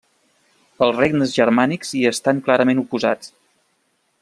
Els regnes germànics hi estan clarament oposats.